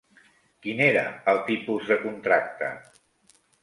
Quin era el tipus de contracte?